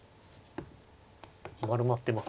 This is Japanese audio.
丸まってますね。